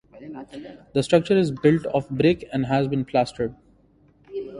The structure is built of brick and has been plastered.